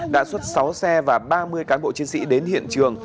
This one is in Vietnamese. đã xuất sáu xe và ba mươi cán bộ chiến sĩ đến hiện trường